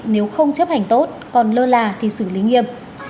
nếu không chấp hành tốt còn lơ là thì xử lý nghiêm